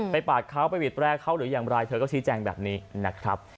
ปาดเขาไปบีดแร่เขาหรืออย่างไรเธอก็ชี้แจงแบบนี้นะครับ